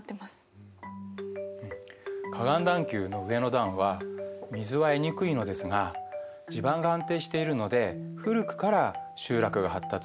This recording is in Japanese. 河岸段丘の上の段は水は得にくいのですが地盤が安定しているので古くから集落が発達したんですね。